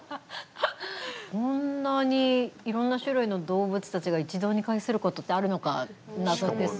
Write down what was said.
こんなにいろんな種類の動物たちが一堂に会することってあるのか謎ですよね。